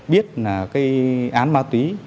biết là cái án má túy